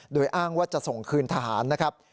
โดยอ้างว่าจะส่งคืนทหารนะครับ